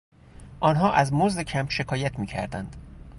آنها از مزد کم شکایت میکردند.